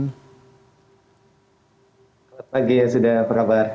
selamat pagi ya sudah apa kabar